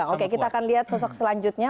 oke kita akan lihat sosok selanjutnya